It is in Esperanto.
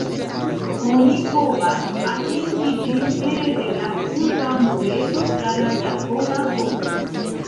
Oni povas atingi ĝin pere de la urba murego tra la Jakoba Pordo.